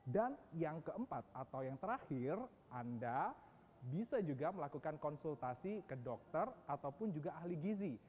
dan yang keempat atau yang terakhir anda bisa juga melakukan konsultasi ke dokter ataupun juga ahli gizi